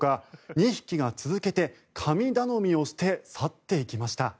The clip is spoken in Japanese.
２匹が続けて神頼みをして去っていきました。